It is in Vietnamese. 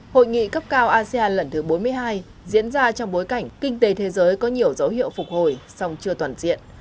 hội nghị cấp cao asean lần thứ bốn mươi hai diễn ra trong bối cảnh kinh tế thế giới có nhiều dấu hiệu phục hồi song chưa toàn diện